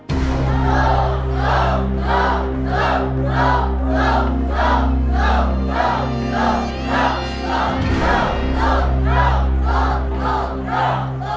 สู้